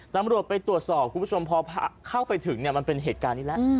ตำรวจไปตรวจสอบคุณผู้ชมพอเข้าไปถึงเนี่ยมันเป็นเหตุการณ์นี้แล้ว